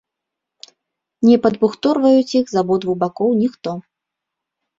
Не падбухторваюць іх з абодвух бакоў ніхто!